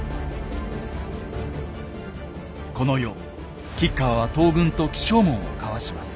この夜吉川は東軍と起請文を交わします。